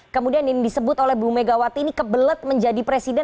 kemudian yang disebut oleh bu megawati ini kebelet menjadi presiden